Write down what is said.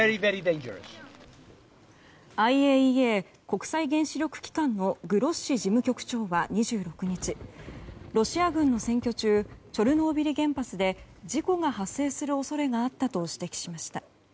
ＩＡＥＡ・国際原子力機関のグロッシ事務局長は２６日ロシア軍の占拠中チョルノービリ原発で事故が発生する恐れがあったと指摘しました。